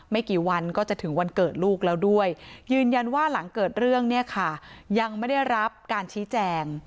ไม่กี่วันก็จะถึงวันเกิดลูกแล้วด้วยยืนยันว่าหลังเกิดเรื่องเนี่ยค่ะยังไม่ได้รับการชี้แจง